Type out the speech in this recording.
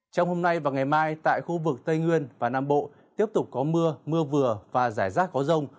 trong hôm nay và ngày mai tại khu vực tây nguyên và nam bộ tiếp tục có mưa mưa vừa và rải rác có rông